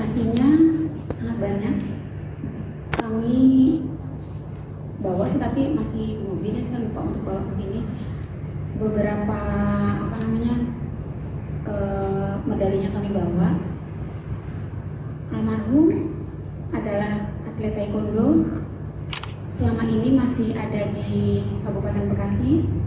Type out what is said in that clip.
selama ini masih ada di kabupaten bekasi